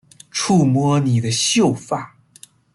触摸你的秀发